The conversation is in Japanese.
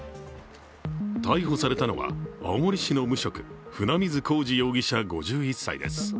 逮捕されたのは青森市の無職、船水公慈容疑者５１歳です。